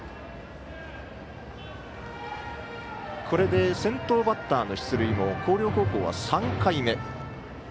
これで先頭バッターの出塁も広陵高校は３回目。